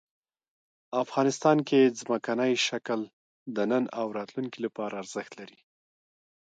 افغانستان کې ځمکنی شکل د نن او راتلونکي لپاره ارزښت لري.